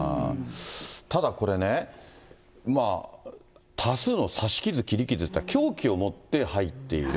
ただこれね、多数の刺し傷、切り傷っていうのは、凶器を持って入っている。